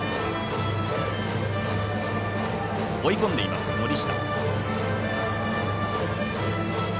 追い込んでいます、森下。